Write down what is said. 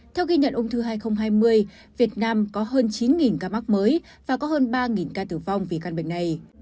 theo ghi nhận ung thư hai nghìn hai mươi việt nam có hơn chín ca mắc mới và có hơn ba ca tử vong vì căn bệnh này